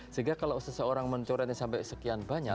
sehingga kalau seseorang mencoretnya sampai sekian banyak